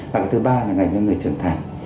và cái thứ ba là ngành cho người trưởng thành